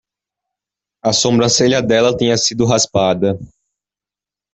A sombrancelha dela tinha sido raspada